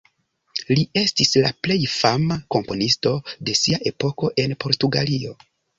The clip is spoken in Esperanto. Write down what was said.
Li estis la plej fama komponisto de sia epoko en Portugalio.